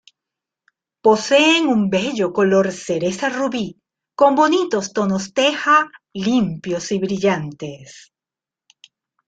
Poseen un bello color cereza-rubí, con bonitos tonos teja, limpios y brillantes.